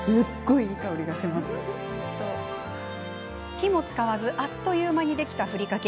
火も使わずあっという間にできた、ふりかけ。